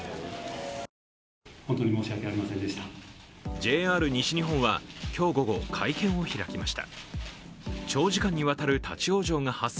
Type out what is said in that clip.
ＪＲ西日本は今日午後、会見を開きました。